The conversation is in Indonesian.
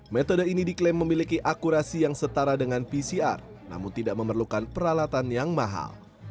metode ini diklaim memiliki akurasi yang setara dengan pcr namun tidak memerlukan peralatan yang mahal